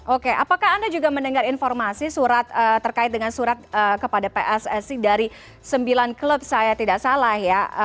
oke apakah anda juga mendengar informasi terkait dengan surat kepada pssi dari sembilan klub saya tidak salah ya